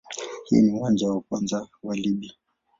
Huu ni uwanja wa kwanza wa Libya.